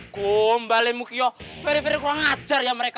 kumbale mukyo ferry ferry kau ngajar ya mereka